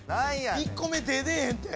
１個目手出えへんて。